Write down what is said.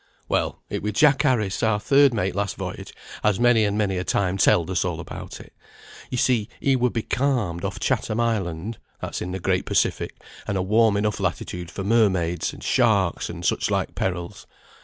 "Well, it were Jack Harris, our third mate last voyage, as many and many a time telled us all about it. You see he were becalmed off Chatham Island (that's in the Great Pacific, and a warm enough latitude for mermaids, and sharks, and such like perils).